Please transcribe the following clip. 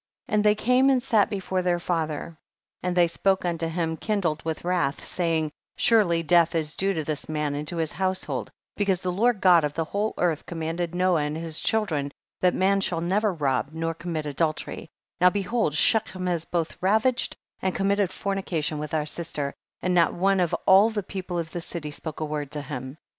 21. And they came and sat before their father and they spoke unto him kindled with wrath, saying, surely death is due to this man and to his household, because the Lord God of the whole earth commanded Noah and his children that man shall never rob, nor commit adultery ; now be hold Shechem has both ravaged and committed fornication with our sister, and not one of all ihe people of the city spoke a word to him.